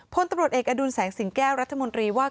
พลตำรวจเอกอดุลแสงสิงแก้วรัฐมนตรีว่า